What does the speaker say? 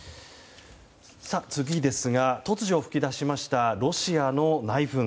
次ですが、突如ふき出しましたロシアの内紛。